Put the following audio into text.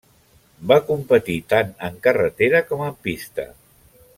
Va competir tant en carretera com en pista.